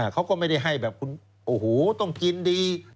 เขาก็ไม่ได้ให้แบบคุณโอ้โหต้องกินดี